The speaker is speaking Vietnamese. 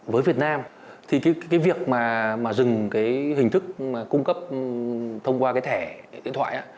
với việt nam thì cái việc mà dừng cái hình thức cung cấp thông qua cái thẻ điện thoại